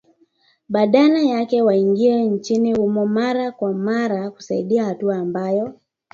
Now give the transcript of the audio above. badala yake waingie nchini humo mara kwa mara kusaidia hatua ambayo